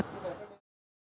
cảnh giác ở ngay trong đơn vị